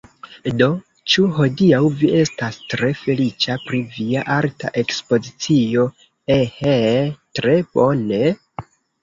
Do, ĉu hodiaŭ vi estas tre feliĉa pri via arta ekspozicio? eh... tre bone?